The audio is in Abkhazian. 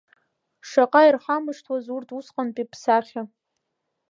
Шаҟа ирхамышҭуаз урҭ усҟантәи бсахьа!